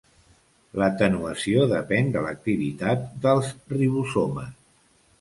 L'atenuació depèn de l'activitat dels ribosomes.